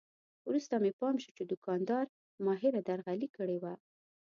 وروسته مې پام شو چې دوکاندار ماهره درغلي کړې وه.